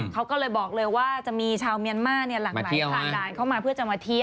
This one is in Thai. เขาก็เลยบอกเลยว่าจะมีชาวเมียนมาร์หลังไหลผ่านด่านเข้ามาเพื่อจะมาเที่ยว